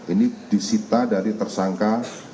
ini disita dari tersangka